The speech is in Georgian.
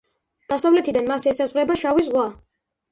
დასავლეთიდან მას ესაზღვრება შავი ზღვა.